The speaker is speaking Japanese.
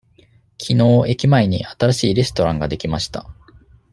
きのう駅前に新しいレストランができました。